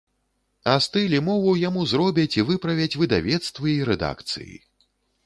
А стыль і мову яму зробяць і выправяць выдавецтвы і рэдакцыі.